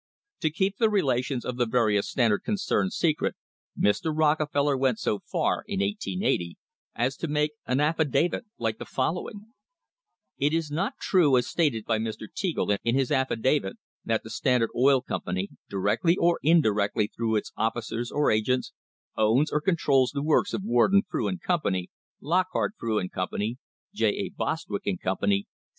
To keep the relations of the various Standard concerns se cret Mr. Rockefeller went so far, in 1880, as to make an affi davit like the following: "It is not true, as stated by Mr. Teagle in his affidavit, that the Standard Oil Company, directly or indirectly through its officers or agents, owns or controls the works of Warden, Frew and Company, Lockhart, Frew and Company, J. A. Bostwick and Company, C.